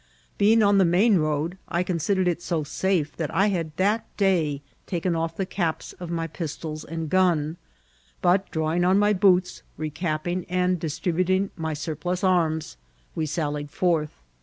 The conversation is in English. Being on the main road, I considered it so safe that I had that day taken off the caps of my pistols and gun ; but, drawing cm my boots, recapping and distributing my surplus arms, we saUied^forth.